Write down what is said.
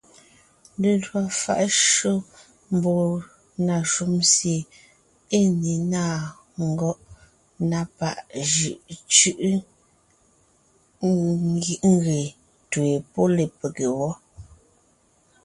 Lelwò fáʼ shÿó mbɔɔ na shúm sie é ne ńnáa ngɔ́ʼ na páʼ jʉʼ cʉ́ʼʉ nge ńtween pɔ́ lepége wɔ́.